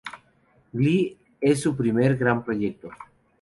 Glee es su primer gran proyecto.